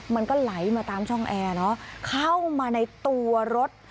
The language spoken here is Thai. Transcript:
มันก็ไหลมาตามช่องแอร์เนอะเข้ามาในตัวรถ